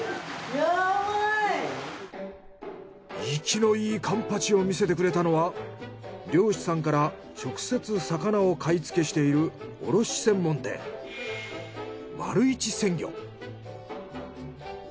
活きのいいカンパチを見せてくれたのは漁師さんから直接魚を買い付けしている卸専門店丸一鮮魚。